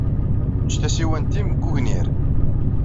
Ejj tasiwant-nnem deg wegnir.